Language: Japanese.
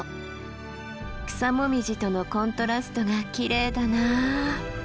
草紅葉とのコントラストがきれいだな。